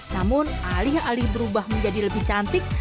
namun alih alih berubah menjadi lebih cantik